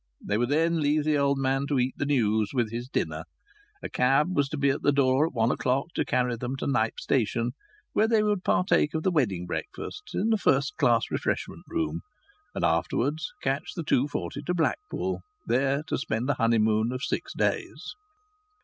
They would then leave the old man to eat the news with his dinner. A cab was to be at the door at one o'clock to carry them to Knype Station, where they would partake of the wedding breakfast in the first class refreshment room, and afterwards catch the two forty to Blackpool, there to spend a honeymoon of six days.